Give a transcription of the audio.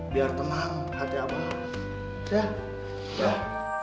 biar tenang hati abah